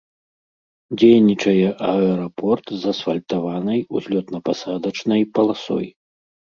Дзейнічае аэрапорт з асфальтаванай узлётна-пасадачнай паласой.